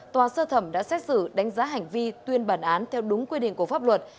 tòa sơ thẩm đã xét xử đánh giá hành vi tuyên bản án theo đúng quy định của pháp luật